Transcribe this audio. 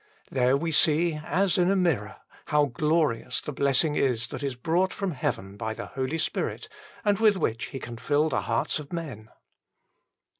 There we see as in a mirror how glorious the blessing is that is brought from heaven by the Holy Spirit and with which He can fill the hearts of men.